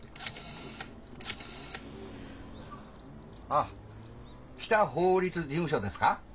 あっ北法律事務所ですか？